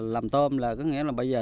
làm tôm là có nghĩa là bây giờ